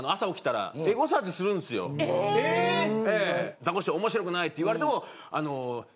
「ザコシショウおもしろくない」って言われてもあの。